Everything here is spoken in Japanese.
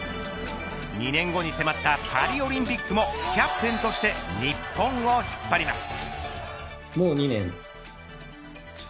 ２年後に迫ったパリオリンピックもキャプテンとして日本を引っ張ります。